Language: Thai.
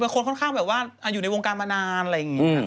คนค่อนข้างแบบว่าอยู่ในวงการมานานอะไรอย่างนี้